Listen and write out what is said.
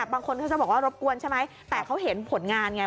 บางคนเขาจะบอกว่ารบกวนใช่ไหมแต่เขาเห็นผลงานไง